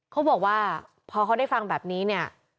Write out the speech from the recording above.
เขาบอกว่าพอเขาได้ฟังแบบนี้เนี่ย